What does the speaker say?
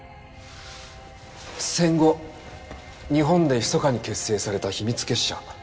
戦後日本でひそかに結成された秘密結社。